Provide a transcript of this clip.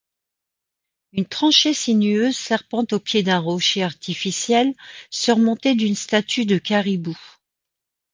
Une tranchée sinueuse serpente au pied d'un rocher artificiel surmonté d'une statue de caribou.